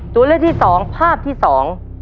ตัวเลือกที่สองภาพที่สอง